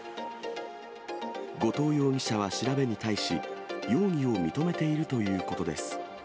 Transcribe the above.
後藤容疑者は調べに対し、容疑を認めているということです。